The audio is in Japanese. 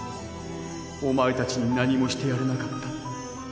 お前たちに何もしてやれなかった。